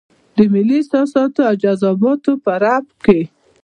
د ملي احساساتو او جذباتو په رپ کې.